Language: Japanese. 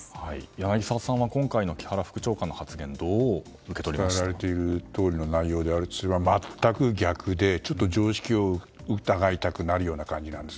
柳澤さんは今回の木原官房副長官の発言言われているとおりの内容であれば全く逆で、ちょっと常識を疑いたくなる感じです。